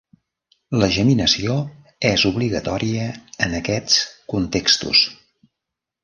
La geminació és obligatòria en aquests contextos.